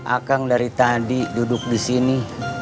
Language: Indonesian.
akang dari tadi duduk di sini